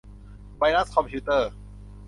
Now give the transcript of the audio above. ไวรัสคอมพิวเตอร์